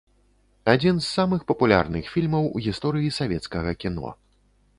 Адзін з самых папулярных фільмаў у гісторыі савецкага кіно.